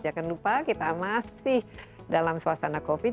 jangan lupa kita masih dalam suasana covid